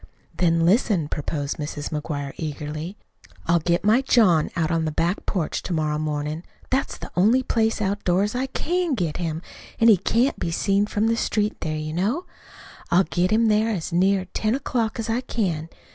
"Then listen," proposed Mrs. McGuire eagerly. "I'll get my John out on to the back porch to morrow mornin'. That's the only place outdoors I CAN get him he can't be seen from the street there, you know. I'll get him there as near ten o'clock as I can.